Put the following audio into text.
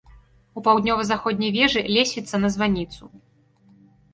У паўднёва-заходняй вежы лесвіца на званіцу.